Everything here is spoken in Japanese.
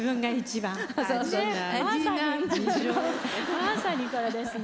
まさにこれですね。